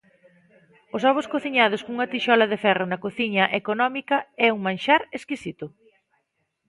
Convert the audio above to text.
Os ovos cociñados nunha tixola de ferro na cociña económica é un manxar exquisito